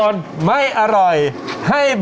นี่